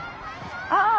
ああ！